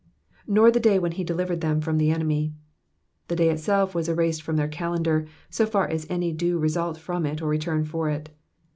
^^Nor the day when he delivered them from the enemy.'''' The day itself was erased from their calendar, so far as any due result from it or return for it.